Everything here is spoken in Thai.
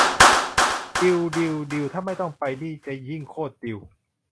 ดีล ดีล ดีลถ้าไม่ต้องไป นี่จะยิ่งโคตรดีล